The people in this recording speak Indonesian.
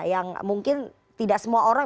yang mungkin tidak semua orang